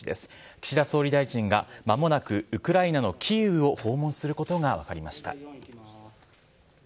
岸田総理大臣がまもなくウクライナのキーウを訪問することが分かりました。